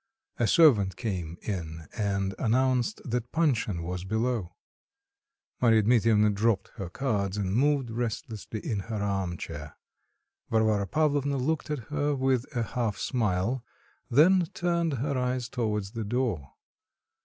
A servant came in and announced that Panshin was below. Marya Dmitrievna dropped her cards and moved restlessly in her arm chair; Varvara Pavlovna looked at her with a half smile, then turned her eyes towards the door.